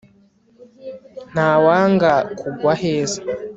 ntawanga kugwa aheza